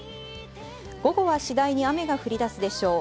午後は次第に雨が降り出すでしょう。